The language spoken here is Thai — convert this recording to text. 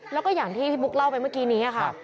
แล้วก็อย่างที่พี่บุ๊คเล่าไปเมื่อกี้นี้ค่ะ